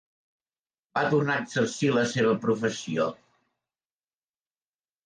Va tornar a exercir la seva professió.